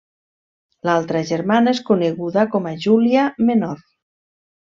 L'altra germana és coneguda com a Júlia Menor.